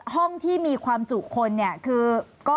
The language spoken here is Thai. ห้องที่มีความจุคนขึ้น